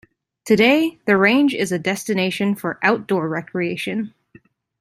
Today, the range is a destination for outdoor recreation.